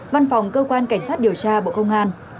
văn phòng cơ quan cảnh sát điều tra bộ công an